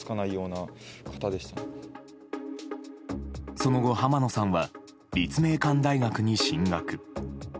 その後、浜野さんは立命館大学に進学。